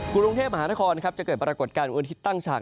กรุงเทพมหานครจะเกิดปรากฏการณ์วันอาทิตย์ตั้งฉาก